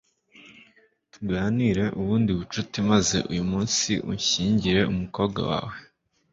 tugirane ubundi bucuti maze uyu munsi unshyingire umukobwa wawe